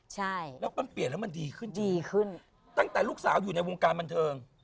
ใช่แล้วมันเปลี่ยนแล้วมันดีขึ้นดีขึ้นตั้งแต่ลูกสาวอยู่ในวงการบันเทิง